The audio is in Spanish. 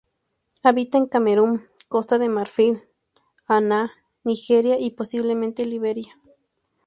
Habita en Camerún, Costa de Marfil, Ghana, Nigeria y posiblemente Liberia.